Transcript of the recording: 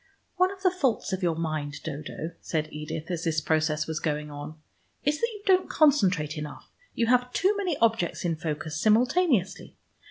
"One of the faults of your mind, Dodo," said Edith, as this process was going on, "is that you don't concentrate enough. You have too many objects in focus simultaneously.